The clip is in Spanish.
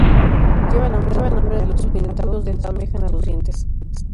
Lleva el nombre de los pináculos dentados que se asemejan a los dientes.